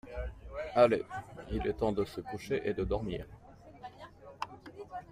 Allez, il est temps de se coucher et de dormir.